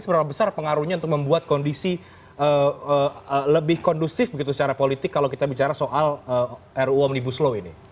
seberapa besar pengaruhnya untuk membuat kondisi lebih kondusif begitu secara politik kalau kita bicara soal ruu omnibus law ini